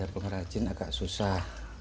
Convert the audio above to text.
biar pengrajin agak susah